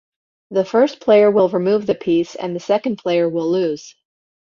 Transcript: The first player will remove the piece, and the second player will lose.